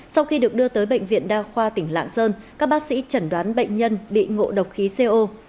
sau khi được đưa tới bệnh viện đa khoa tỉnh lạng sơn các bác sĩ chẩn đoán bệnh nhân bị ngộ độc khí co